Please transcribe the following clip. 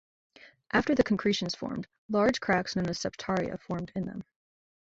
After the concretions formed, large cracks known as "septaria" formed in them.